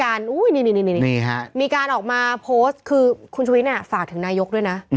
มีการออกมาโพสต์คือคุณชุวิตฝากถึงนายกด้วยนะ